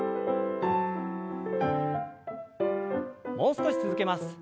もう少し続けます。